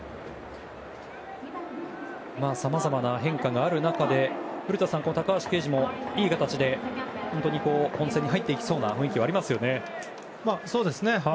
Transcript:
さまざまな変化がある中で古田さん、高橋奎二もいい形で本当に本戦に入っていきそうな雰囲気がありますよね。